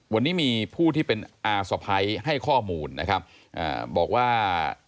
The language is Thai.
วันนี้มีผู้ที่เป็นอาสะพ้ายให้ข้อมูลนะครับอ่าบอกว่า